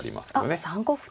あっ３五歩と。